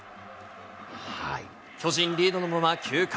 巨人リードのまま９回。